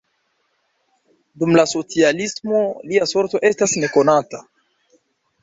Dum la socialismo lia sorto estas nekonata.